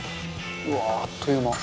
「うわー！あっという間」